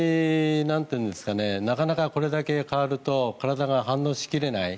なかなかこれだけ変わると体が反応しきれない。